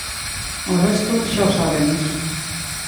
O resto xa o sabemos.